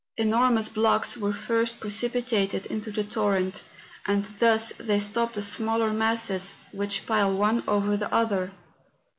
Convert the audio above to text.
Enormous blocks were first precipitated into the torrent, and thus they stop the smaller masses which pile one over the other.